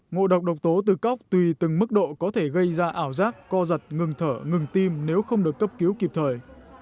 ngộ độc độc tố từ cóc tùy từng mức độ có thể gây ra ảo giác co giật ngừng thở ngừng tim nếu không được cấp cứu kịp thời